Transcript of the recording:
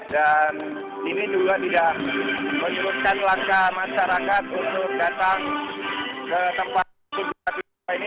dan ini juga juga menyebutkan langkah masyarakat untuk datang ke tempat tugu katolik setiwa ini